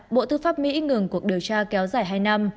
bộ tư pháp mỹ ngừng cuộc điều tra kéo dài hai năm